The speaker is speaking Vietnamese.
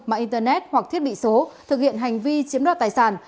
mạng internet hoặc thiết bị số thực hiện hành vi chiếm đoạt tài sản